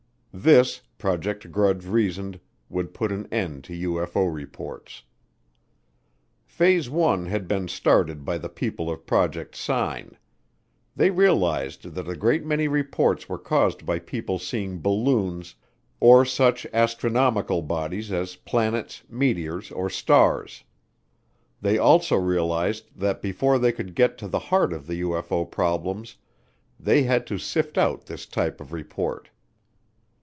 This, Project Grudge reasoned, would put an end to UFO reports. Phase one had been started by the people of Project Sign. They realized that a great many reports were caused by people seeing balloons or such astronomical bodies as planets, meteors, or stars. They also realized that before they could get to the heart of the UFO problems they had to sift out this type of report.